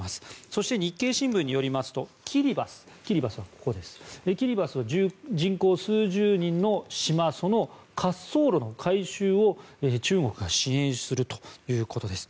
そして、日経新聞によりますとキリバスキリバスは人口数十人の島でその滑走路の改修を中国が支援するということです。